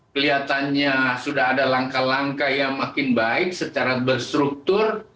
kelihatannya sudah ada langkah langkah yang makin baik secara berstruktur